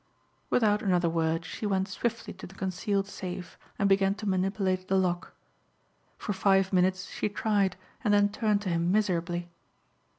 Without another word she went swiftly to the concealed safe and began to manipulate the lock. For five minutes she tried and then turned to him miserably.